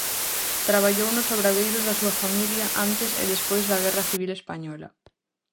Traballou nos obradoiros da súa familia antes e despois da Guerra Civil española.